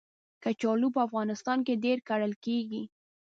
کچالو په افغانستان کې ډېر کرل کېږي